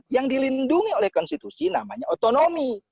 yang dilindungi oleh konstitusi namanya otonomi